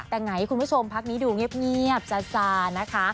แต่ไงคุณผู้ชมพักนี้ดูเงียบซานะคะ